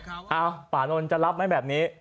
อ้าวป่านนท์จะรับไหมแบบนี้